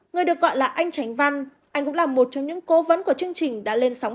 người được gọi là anh tránh văn anh cũng là một trong những cố vấn của chương trình đã lên sóng